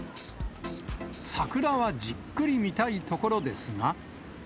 桜はじっくり見たいところですが。